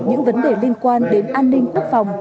những vấn đề liên quan đến an ninh quốc phòng